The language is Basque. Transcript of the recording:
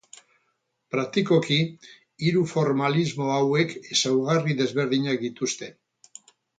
Praktikoki, hiru formalismo hauek ezaugarri desberdinak dituzte.